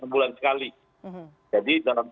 bulan sekali jadi dalam